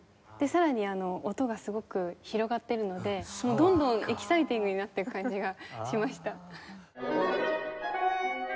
さらに音がすごく広がっているのでどんどんエキサイティングになっていく感じがしました。